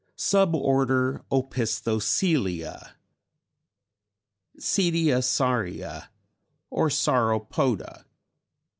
SUB ORDER OPISTHOCOELIA (CETIOSAURIA OR SAUROPODA).